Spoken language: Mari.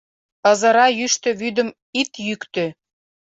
Ызыра йӱштӧ вӱдым ит йӱктӧ.